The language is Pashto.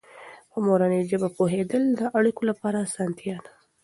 په مورنۍ ژبه پوهېدل د اړیکو لپاره اسانتیا ده.